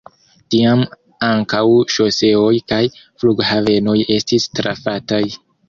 Tiam ankaŭ ŝoseoj kaj flughavenoj estis trafataj.